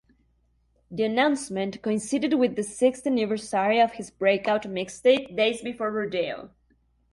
The announcement coincided with the sixth anniversary of his breakout mixtape "Days Before Rodeo".